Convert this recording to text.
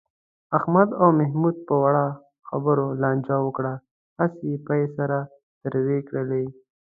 احمد او محمود په وړو خبرو لانجه وکړه. هسې یې پۍ سره تروې کړلې.